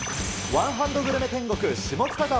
ワンハンドグルメ天国、下北沢。